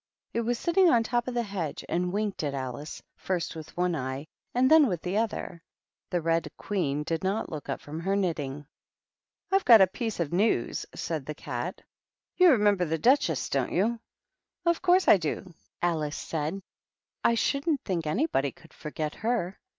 It was sitting on top of the hedge, and winked at Alice, first with one eye and then with the other. The Red Queen did not look up jfrom her knitting. "Tve got a piece of news," said the Cat. " You remember the Duchess, don't you ?" "Of course I do," Alice said. "I shouldn't think anybody could forget her."